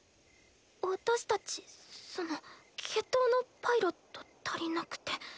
私たちその決闘のパイロット足りなくて。